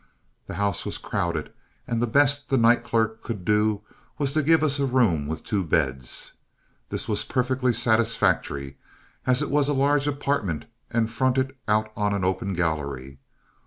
The house was crowded, and the best the night clerk could do was to give us a room with two beds. This was perfectly satisfactory, as it was a large apartment and fronted out on an open gallery.